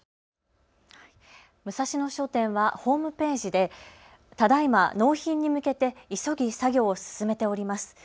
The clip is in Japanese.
ムサシノ商店は、ホームページでただいま納品に向けて急ぎ作業を進めております。